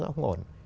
thì nó cũng ổn